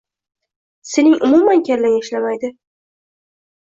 “Sening umuman kallang ishlamaydi”.